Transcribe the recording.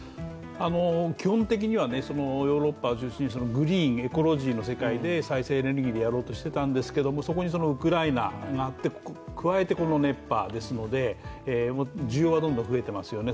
基本的には、ヨーロッパ中心にグリーン、エコロジーの世界で再生エネルギーでやろうとしていたんですけども、そこにウクライナがあって、加えてこの熱波ですので、需要はどんどん増えてますよね。